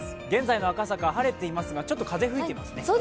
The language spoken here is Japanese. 現在の赤坂、晴れていますが、ちょっと風が吹いていますね。